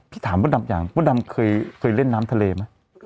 ถามมดดำอย่างมดดำเคยเล่นน้ำทะเลไหม